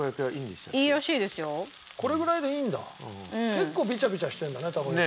結構ビチャビチャしてるんだねたこ焼き。